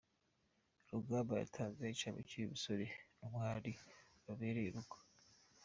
Rugamba yatanze incamake y’umusore n’umwari babereye urugo.